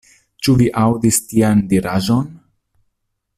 Ĉu vi aŭdis tian diraĵon?